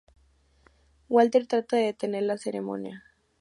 Walter trata de detener la ceremonia.